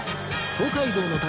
東海道の旅